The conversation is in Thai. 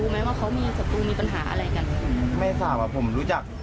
ไม่ได้เจอมิน